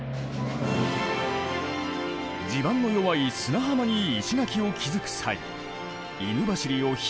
地盤の弱い砂浜に石垣を築く際犬走りを広くつくり土台を強化。